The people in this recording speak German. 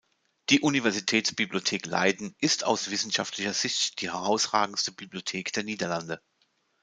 Die Universitätsbibliothek Leiden ist aus wissenschaftlicher Sicht die herausragendste Bibliothek der Niederlande.